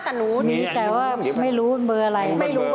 ส่วนใหญ่จะคุ้นกัน๑๖๖๙